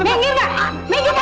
minggir kasih gua lawan